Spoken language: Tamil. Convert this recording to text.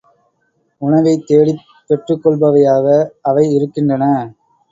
உணவைத் தேடிப் பெற்றுக் கொள்பவையாக அவை இருக்கின்றன.